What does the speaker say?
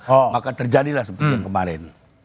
maka terjadilah seperti yang kemarin